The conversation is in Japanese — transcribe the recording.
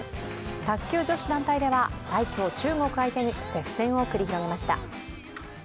卓球女子団体では最強中国相手に接戦を繰り広げました。